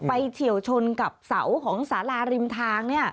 เฉียวชนกับเสาของสาราริมทาง